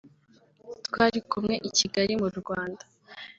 Twari kumwe i Kigali mu Rwanda